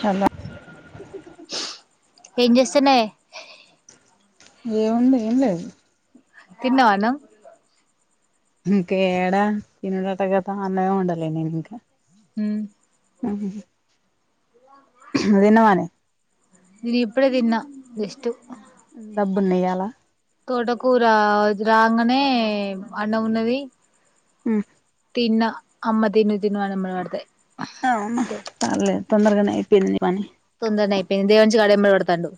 Hollow ఏం చేస్తాన్నా ఏ ఏముంది ఏం లేదు తిన్నావా ను ఇంకా ఏడా తినుడట కదా అన్నమే వండాలా నేను ఇంకా హమ్ ఉహుహూ తిన్నవానే నేను ఇప్పుడే తిన్నా జస్ట్ డబ్బు నేయాలా తోటకు రా రాంగానే అన్నం ఉన్నది ఆమ్ తిన్న అమ్మ తిను తిను అన్నం పెడితే అ తాలే తొందరగానే అయిపోయింది పని తొందరనే అయిపోయింది దేవంచి అడ్డం పడతాండు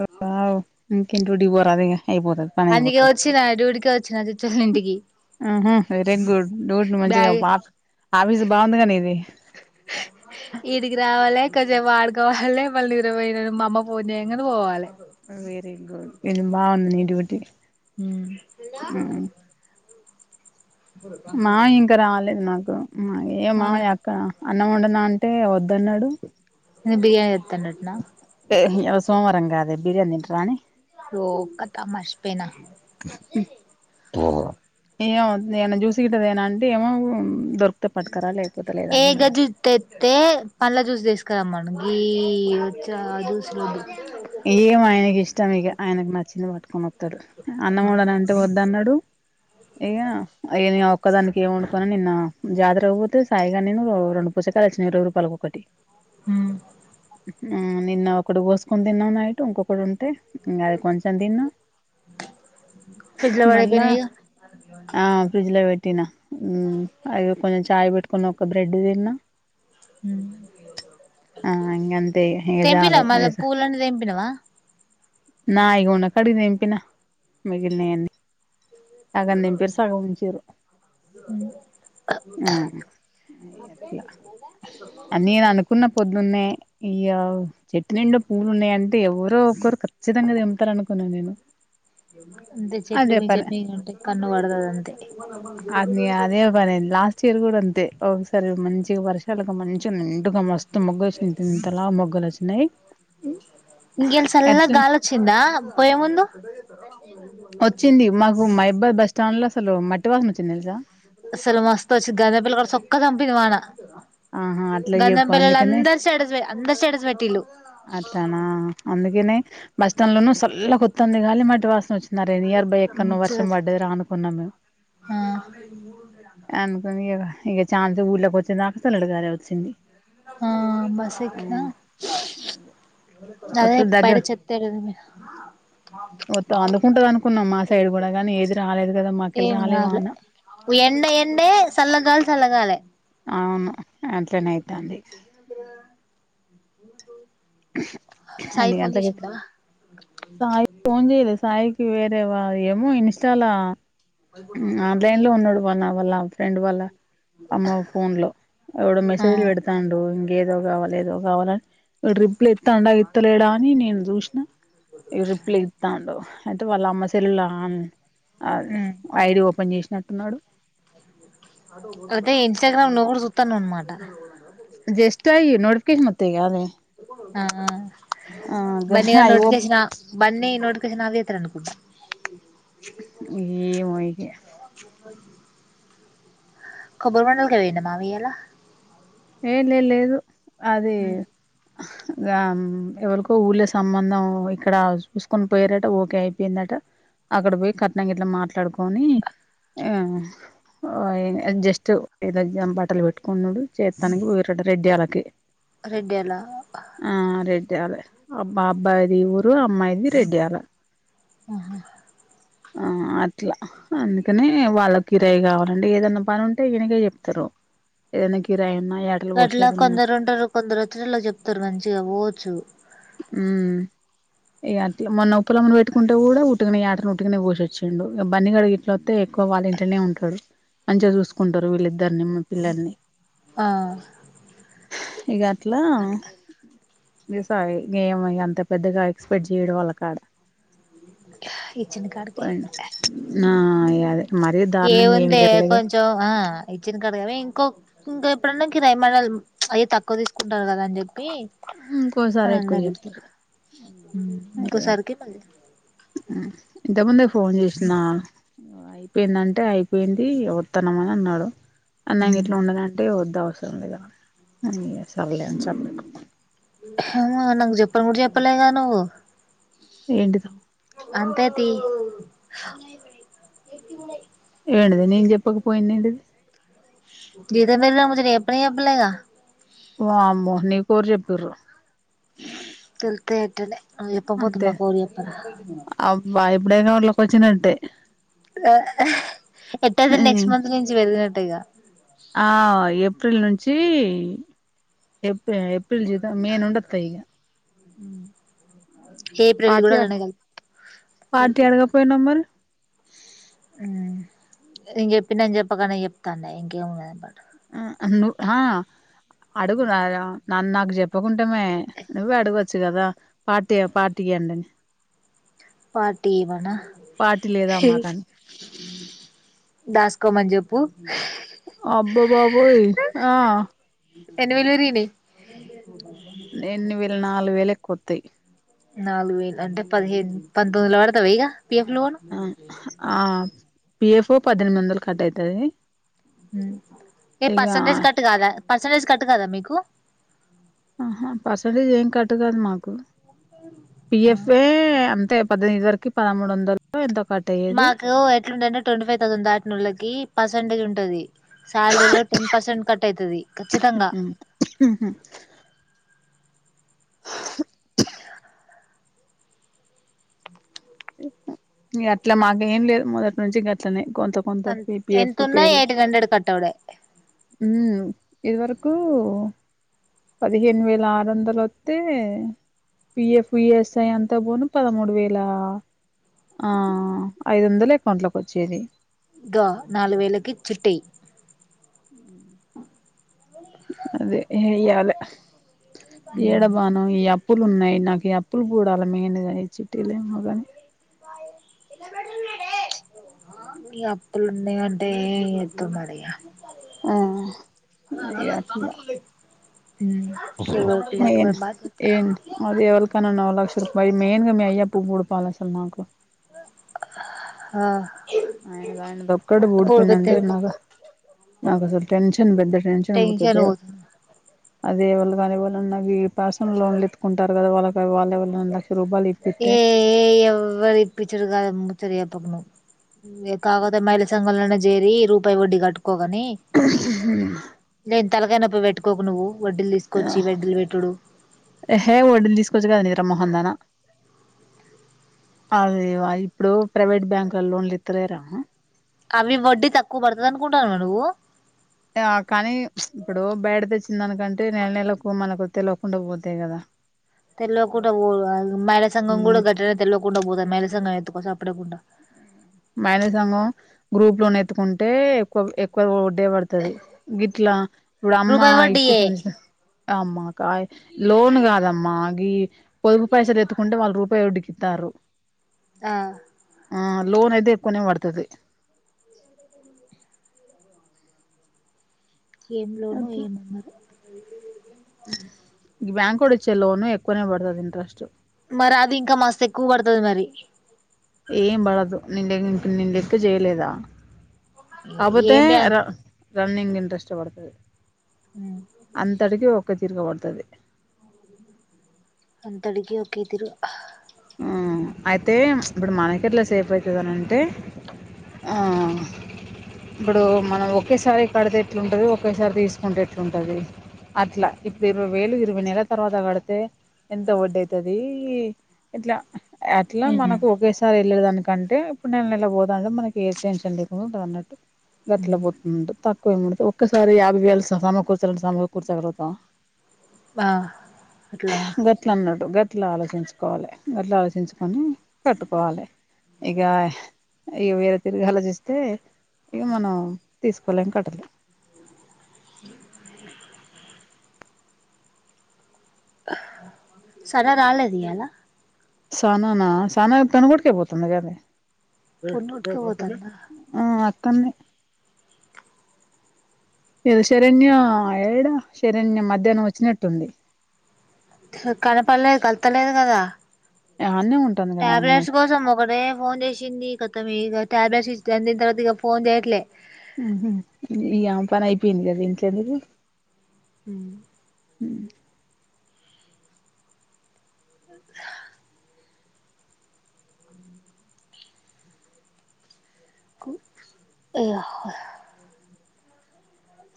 ఓ అవు ఇం తిని డ్యూటికి పోరాదే ఇగ అయిపోతది పని అందుకే అయిపోతది వచ్చిన డ్యూటీకే వచ్చిన చుచ్చోళ్ళ ఇంటికి ఉహుమ్ వెరీ గుడ్ డ్యూడ్ మంచిగా బ్యాగ్ ఆఫీస్ బాగుంది గా నీది కాసేపు ఆడుకోవాలి వాళ్ళ నిరువయిన మా అమ్మ పన్ చేయంగానే పోవాలే వెరీ గుడ్, ఇది బావుంది ని డ్యూటీ హ్మ్ మా, ఇంక రాలేదు నాకు మ, ఏమా మామ యక్కన అన్నం వండనా అంటే వద్దన్నడు ఎందుక్ బిర్యానీ తె ఏ ఇవ సోమవారం గాదే బిర్యానీ తింటారానే రో కత మాషపోయిన ఏమొద్, ఎమన్నా జూసి గిట్ట దేనా అంటే ఏమో దొరికితే పటుకారా లే ఏ గ జ్యూస్ తెత్తే పండ్ల జ్యూస్ తీసుకరమ్మను ఈ వచ్చా జ్యూస్ రడి ఏమొ ఆయనకి ఇష్టం ఇగ, ఆయనకు నచ్చింది పట్ అ మత్తర్ అన్నమొండనా అంటే వద్దు ఓద్దన్నాడు, ఇగ నేన్ ఒక్కదానికి ఏం వండుకోనని నిన్న జాతరక్ పోతే సాయిగా నేను రెండు పుచ్చకాయల్ వచ్చినాయి ఇరవై రూపాల కొక్కటి మ్మ్ ఆ నిన్న ఒకడు వొస్కున్ నిన్న నైట్ ఇంకొకటి ఉంటే ఇగ అది కొంచెం తిన్నా, ఫ్రిడ్జ్ లో మళ్ళా పడైపోయినాయి ఇగ ఆ ఫ్రిడ్జ్ లో పెట్ తిన, మ్ అది కొంచెం చాయ్ పెట్టుకుని కొంచెం బ్రెడ్ తిన్నా మ్, ఆ ఇంగంతే ఇగ ఇగ తెంపిళ్ళా మల్ల పూలన్ని తెం పినవా నా ఇగున్నా కాడికి తెంపినా, మగిలినయన్ని అనీ అనుకున్న పోద్ దున్నై ఇయ్యవ్ చెట్టు నిండ పూలున్నాయంటే ఎవరు ఎవరో ఒక్కరు ఖచ్చితంగ తెంపుతరునుకున్నా నేను అంతే చెట్లు అదే మీద పని చెట్ మంటే కన్ను పడతుదంతే తే ఒక్కోసారి మంచిగా వర్షాలు ఇగ మంచి నిండుగ మస్తు మొగ్గలోచ్చినై ఇంతలావ మొగ్గలోచ్చినై ఉన్నాయ్ ఇంకేంటి సల్లగా గలోచింద పొయ్యే ముందు వచ్చింది మాకు మా అబ్బాయి బస్ ష్టలో అసలు మట్టి వాసన వచ్చింది తెలుసా అసలు మస్తు వచ్చిది గదపెల్లి కాడా సొక్కా చంపింది వాన ఆహా అట్లా చెప్పు గంధంపెళ్ళోలు అందుకనే అందరు స్టేటస్ అందరు స్టేటస్ పెట్టిన్లు అట్లానా అందుకనే బస్ లోన సల్లగోతంది గాలి మట్టి వాసన వచ్చ ఆ నియర్ బై ఎక్కడో మంచిగా వర్షం పడ్డది రా అనుకున్నాం మేము ఆ అనుకుని ఇ ఇక చానాసేపు ఊళ్ళకి వచ్చే దాకా చల్లటి గాలే వచ్చింది ఆ బస్ ఎక్కినా అ అదే పైన చెతేడదు వత్తు అందుకుంటది అనుకున్నాం మా సైడ్ కూడా గానీ ఏది రాలేదు కదా పోయిన మాకెళ్ళి రాలే ఎంకాలే వాన ఎండ ఎండే చల్ల గాలి చల్ల గాలే అవును అట్లనే అయితంది ఇ సాయి ఎన్ని ఫోన్ గంట్టలకి చేసిండా సాయి ఫోన్ చెయ్యలే సాయికి వేరే వా ఏమో ఇన్స్టలా ఆన్లైన్ లో ఉన్నాడు అన్న వాళ్ళ ఫ్రెండ్ వాళ్ళ అమ్మ ఫోన్ లో ఎవడో ఆ మెస్సేజ్లు పెడతాండు ఇంకా ఏదో కావాల ఏదో కావాల రిప్లై ఇత్తాడు అయి వత్తలేడా అని నేను చూసినా ఈ రిప్లై ఇత్తండు అయితే వాళ్ళ అమ్మ సెల్లులా అదే ఐడి ఓపెన్ చేసినట్టున్నాడు అయితే ఇన్స్టాగ్రామ్ నువ్వు కూడా చూస్తానవ్ అన్నమాట జస్ట్ అయి నోటిఫికేషన్ వాత్తయి కాదే ఆ ఆ ఆ బన్నీ గాని అయి ఓ నోటిఫికేషన్ నా బన్నీ నోటిఫికేషన్ ఆఫ్ ఇది అనుకుంటా ఏ ఏమో ఇగ [inaudible] కొబ్బరి బొండలకె పోయిండా మామయ్య ఇయ్యాల ఏ లే లేదు అదే గ ఎవరికో ఊళ్ళ సంబంధం ఇక్కడ చూసుకొని పోయారట ఓకే అయిపోయిందట అక్కడ పోయి కట్నం గిట్లా మాట్లాడుకొని ఆ ఓ జస్ట్ ఏదో బట్టలు పెట్టుకునుడు చెత్తనికి పోయిర్రట్ట రెడ్డిఅలకి రెడ్డి అలా రెడ్డలే పా అబ్బాయిది ఈ ఊరు అమ్మాయిది రెడ్డిఅలా ఆహా ఆ అట్లా అందుకని వాళ్ళ కిరాయి కావాలండి ఏదైనా పని ఉంటే ఈనకే చెప్తారు ఏదైనా కిరాయి ఉన్నా యాటలు గట్లా కోసేది ఉన్నా కొందరు ఉంటరు కొందరు వచ్చినోళ్లకు చెప్తారు మంచిగా పోవచ్చు హ్ ఇగ అట్లా మొన్న ఉప్పలమ్మని పెట్టుకుంటే కూడా ఉట్టుకనే యాటను ఉట్టుకనే కోసి వచ్చిండు బన్ని గాడు ఇట్ల వస్తే ఎక్కువ వాళ్ళ ఇంట్నే ఉంటాడు మంచిగా చూసుకుంటారు వీళ్ళిద్దరిని మా పిల్లల్ని ఆ ఇగ అట్లా గట్ల ఏస్ కాదే ఈమ ఇగ అంత పెద్దగా ఎక్స్పెక్ట్ చేయడం వాళ్ళ కాడ ఇచ్చిన కాడికి అయిపాయే నా ఇగ అదే మరీ దారుణంగా ఏమి ఏముందే ఇయ్యరులే గాని కొంచెం ఆ ఇచ్చిన కాడ కానీ ఇంకో ఇంకా ఎప్పుడన్నా కిరాయి మనం అయి తక్కువ తీసుకుంటారు కదా అని చెప్పి ఇంకోసారి ఎక్కువ చెప్తారు ఇగ ఇంకొసార్కి మ ఇంతకు ముందే ఫోన్ చేసిన అయిపోయిందంటే అయిపోయింది వస్తాన్నం అని అన్నాడు అన్నం గిట్లా వండదంటే వద్దు అవ్ సద అ సరలేను చెప్ప నాకు చెప్పను కూడా చెప్పలేగా నువ్వు ఏంటిదొ అంతే తీ ఏంటిది నేను చెప్పకపోయిన ఏంటిది ఇద మ నా ము రేపుని అప్పలేగా [unintelligible] అమ్మో నీ కోరు చెప్పిరు తెలుస్తాయి అట్టనే అంతే అబ్బా ఇప్పుడే కా వాళ్ళకి వచ్చినట్టే ఎట్టాద నెక్స్ట్ మంత్ ను నుంచి వ ట్టటిగా ఆ ఏప్రిల్ నుంచి ఏ ఏప్రిల్ జత మే నుండి వస్తాయి ఇక ఊ పాటీ పార్టీ కలిపిత్తే అడగా పోయినమ్ మరి నేను చెప్పి నను చెప్పకనే చెప్తాండే ఇంకేముందిట ఆ ఆ‌ను హా అడుగు నార అన్ నాకు చెప్పకుంటేమే నువ్వు అడగొచ్చు కదా పార్టీ ఆ పార్టీ ఇయ్యండని పార్టీవనా పార్టీ లేదా ఎహ్ మాకని దాస్కోమన్ జెప్ పు అబ్బబాబోయ్ ఆ ఎన్నీ వెలు వెరిగినయ్ ఎన్ని వేల్ నాలుగు వేల కొత్తయ్ నాలుగు వేలు అంటే పదిహేను, పంతొమ్మిదిల పడతవీగ. పిఎఫ్ లోన పిఎఫ్ఓ పద్దెనిమిది వందలు కట్ అయితది ఏ ఇక పర్సంటేజ్ కట్టు కాదా పర్సంటేజ్ కట్టు కదా మీకు? ఆహా పర్సంటేజ్ ఏం కట్ కాదు మాకు. పిఎఫ్ఏ అంతె పద్దెనిమిది వరకి పదమూడు వందల్ ఎంతో కట్ అయ్యేది మాకు ఎట్లుంటంటే, ట్వంటీ ఫైవ్ థౌసండ్ దాటినోళ్ళకి పర్సంటేజ్ ఉంటది. సాల్రీలో టెన్ పర్సెంట్ కట్ అయితది. ఖచ్చితంగా హ్ [inaudible] ఇగ అట్లమాకేం లేద్. మొదట్నుంచి గట్లనే. కొంత కొంత అంత్ పిపిఎఫ్ ఎంతున్న పేరు ఎయిటన్ హండ్రెడ్ కట్టవుడే ఇదివరకు పదిహేను వేల ఆరొందల ఒత్తే, P F E S I అంతా బోను పదమూడు వేల ఆ ఐదొందలు అకౌంట్లకు వచ్చేది. గా నాలు వేలకి చిట్టేయ్ అదే ఎయ్యాలె ఏడ బాను ఈ అప్ పులు ఉన్నాయి నాకి ఈ అప్పులు పూడాలి మెయిన్ గా ఇ చిటీలేమో గాని ఇగ అప్పులున్నయంటే ఎత్తొ మరీ ఆ ఇగ అట్ల ఎవరికి మెయిన్ లేకపాయే బాధ్యత ఎంట్ అది ఎవలకానన్న ఓ లక్ష రుపాయ్ మెయిన్ గా మి అయ్యపు పుడుపాల అసలు నాకు హ ఆయన ఆయనది ఒక్కడి ఊడిపోనంటె నాగ నాకసల్ టెన్షన్ పెద్ద టెన్షన్ పోతదే అదే వళ్ళు కాని ఎవళన్న గీ పర్సనల్ లోన్లు ఎత్తుకుంటారు కదా వాళ్ళక వాళ్లే వళ్నన్న ఏ ఎవరి ఇప్పుడిచుగాదు ముచ్చట చెప్ తున్నవు కాపోతే మైల సంగం లోనే ఎత్ జేరీ రూపాయి వడ్డీ కట్టు కో గాని లే తలకాయ నొప్పి పెట్టుకోకు నువ్వు వడ్డీలు ఆ తీసుకొచ్చి వడ్డీలు పెట్టుడు ఏహే ఒడ్డీలు తీసుకొచ్చుడుగాదు నిదర మోహం దానా అదేవా ఇప్పుడు ప్రైవేట్ బ్యాంక్ ల లోన్లు ఇత్తలేరా అవి వడ్డీ తక్కువ పడుతది అనుకుంటానవా నువ్వు ఆ కానీ ఇప్పుడు బయట తెచ్చిందానికంటే నెల నెలకు మనకు తెలువకుండా పోతాయి కదా తెల్వకుంట పోవుడుగాదు మైల సంఘం కూడా మ్మ్ గట్లనే తెల్వకుండ పోతరు మైల సంఘం ఎత్ ఎత్తుపొస అప్పుడే ఫుడ్డా మైల సంఘం గ్రూప్ లోనెత్తుకుంటే కొవ్ ఎక్కువ వోడ్ అడే పడుతది గిట్లా ఇప్పుడు అమ్మ రూపాయి వడ్డీయే ఇప్పిత్తాంది చూసినవ అమ్మా కా లోన్ కాదమ్మా గి పొదుగు పైసలెత్తుకుంటే వాళ్ళు రూపాయి ఒడ్డికిత్తన్నరు ఆ లోన్ అయితే ఎక్కువనే పడుతది ఏం లోను ఏమన్నారు అక ఇ బ్యాంకోడు ఇచ్చే లోను ఎక్కువనే పడుతది ఇంట్రెస్ట్ మరి అది ఇంకా మస్త్ ఎక్కువ పడుతది మరి ఏం పడదు నిన్ నేన్ లెక్ చేయలేదా అబతే ఏం రా బ్యాంకు రన్నింగ్ ఇంట్రెస్ట్ పడుతది అంతటికి ఒక తిరగబడుతది అంత అడిగి ఒకేద్దిరు మ్మ్ అయితే ఇప్పుడు మనకి ఎట్లా సేపు అయితదినంటే ఆ ఇప్పుడు మనం ఒకేసారి కడితే ఎట్లుంటది ఒకేసారి తీసుకుంటే ఎట్లుంటది అట్లా ఇప్పుడు ఇరవై వేలు ఇరవై నెల తర్వాత కడితే ఎంత వడ్డీ అయితది ఏ ఇట్లా అట్లా మనకు ఒకేసారి ల్లే దానికంటే ఇప్పుడు నెల నెల పోదా అంటే మనకి ఏ టెన్షన్ లేకుండా ఉంటదన్నట్టు గట్ల ఉమ్ పోతుంద్ తక్ కో ఒక్కసారి యాబై వేలు సమ కూర్చలంటే సమ కూర్చగలుగుతం ఆ అట్లనా ఇట్లా ఆలోచించుకోవాలి అట్లా ఆలోచించుకొని కట్టుకోవాలి ఇక ఇక వేరే తిరిగి ఆలోచిస్తే ఇక మనం తీసుకోలేం కట్టలేం సానా రాలేదు ఇయ్యాల సానా నా సానా పొన్నూటికి పోతుంది కద పొన్ను ఉతికిపోతుందా ఉమ్ కన్నె ఇలా శరణ్య ఏడా శరణ్య మధ్యాహ్నం వచ్చినట్టుంది కనపడలేదు కళ్తలేదు కదా ఆన్నే ఉంటుంది కదా ఆ అమ్మాయి టాబ్లెట్స్ కోసం ఒకటే ఫోన్ చేసింది కథ మీ టాబ్లెట్స్ [unintelligible] తర్వాత ఇగ ఫోన్ చేయట్లే ఉహూ ఈ ఆమె పని అయిపోయింది కదా ఇంకెందుకు ఉమ్ ఉమ్ హా ఉమ్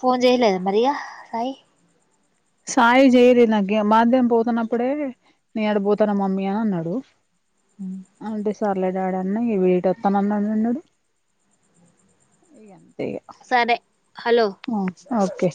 ఫోన్ చేయలేదా మరి ఇగ సాయి సాయి చేయలే నాకు మాధ్యం పోతున్నప్పుడే నే ఆడిపోతాను మమ్మీ అని అన్నాడు ఉమ్ అంటే సర్లే డాడీ అన్న ఈ వెయిట్ వత్తాన్నా అన్నాడు ఇగం సరే హలో ఓకే